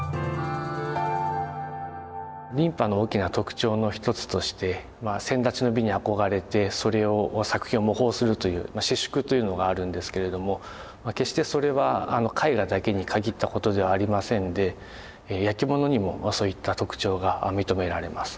琳派の大きな特徴の一つとして先達の美に憧れてそれを作品を模倣するという私淑というのがあるんですけれども決してそれは絵画だけに限ったことではありませんでやきものにもそういった特徴が認められます。